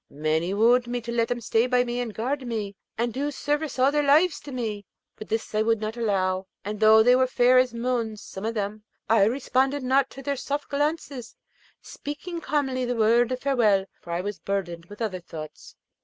Many wooed me to let them stay by me and guard me, and do service all their lives to me; but this I would not allow, and though they were fair as moons, some of them, I responded not to their soft glances, speaking calmly the word of farewell, for I was burdened with other thoughts.